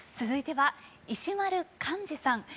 続いては石丸幹二さん。